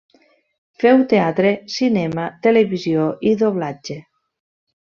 Feu teatre, cinema, televisió i doblatge.